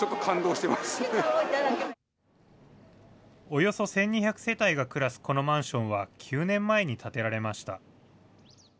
およそ１２００世帯が暮らすこのマンションは、９年前に建てられました。